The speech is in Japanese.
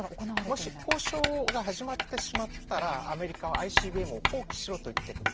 もし、交渉が始まってしまったらアメリカのＩＣＢＭを放棄しろと言ってくる。